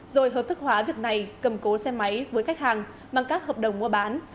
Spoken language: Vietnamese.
rồi hợp thức hóa việc này cầm cố xe máy với khách hàng bằng các hợp đồng mua bán